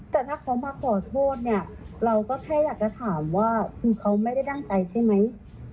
แต่ถ้าเขามาขอโทษเนี่ยเราก็แค่อยากจะถามว่าคือเขาไม่ได้ตั้งใจใช่ไหม